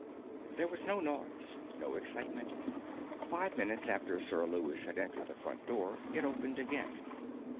There was no noise, no excitement. Five minutes after Sir Lewis had entered the front door, it opened again.